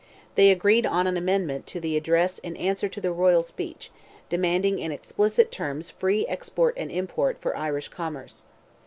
They agreed on an amendment to the address in answer to the royal speech, demanding in explicit terms "free export and import" for Irish commerce.